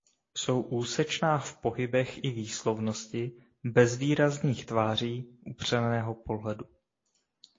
Jsou úsečná v pohybech i výslovnosti, bezvýrazných tváří, upřeného pohledu.